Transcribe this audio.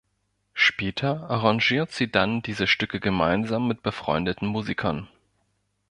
Später arrangiert sie dann diese Stücke gemeinsam mit befreundeten Musikern.